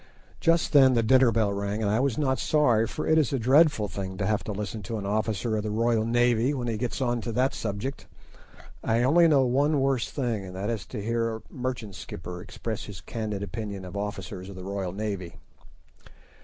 Just then the dinner bell rang, and I was not sorry, for it is a dreadful thing to have to listen to an officer of the Royal Navy when he gets on to that subject. I only know one worse thing, and that is to hear a merchant skipper express his candid opinion of officers of the Royal Navy.